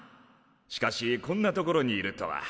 しかしこんな所にいるとは。